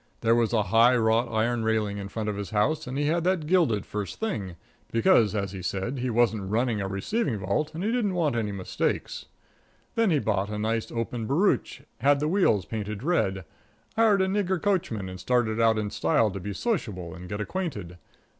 There was a high wrought iron railing in front of his house, and he had that gilded first thing, because, as he said, he wasn't running a receiving vault and he didn't want any mistakes. Then he bought a nice, open barouche, had the wheels painted red, hired a nigger coachman and started out in style to be sociable and get acquainted.